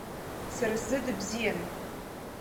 Сара сзы дыбзиан.